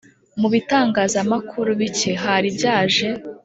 mu bitangazamakuru bike hari byaje